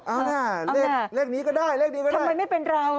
อ่าเลขนี้ก็ได้เลขดีก็ได้ทำไมไม่เป็นเรา